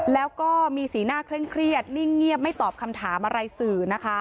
แล้วก็มีสีหน้าเคร่งเครียดนิ่งเงียบไม่ตอบคำถามอะไรสื่อนะคะ